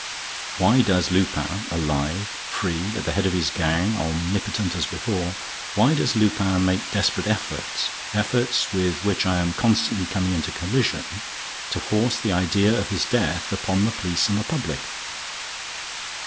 Why does Lupin, alive, free, at the head of his gang, omnipotent as before, why does Lupin make desperate efforts, efforts with which I am constantly coming into collision, to force the idea of his death upon the police and the public?